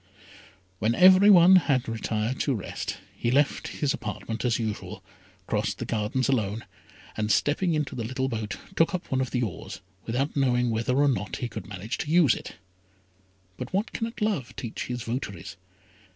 When every one had retired to rest, he left his apartment as usual, crossed the gardens alone, and stepping into the little boat, took up one of the oars without knowing whether or not he could manage to use it: but what cannot love teach his votaries?